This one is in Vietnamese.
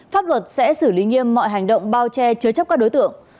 pháp luật sẽ xử lý nghiêm mọi hành động bao che chứa chấp các đối tượng